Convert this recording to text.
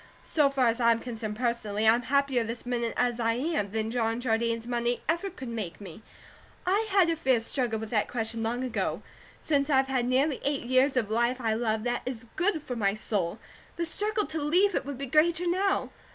So far as I'm concerned personally, I'm happier this minute as I am, than John Jardine's money ever could make me. I had a fierce struggle with that question long ago; since I have had nearly eight years of life I love, that is good for my soul, the struggle to leave it would be greater now.